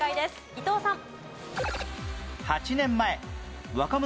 伊藤さん。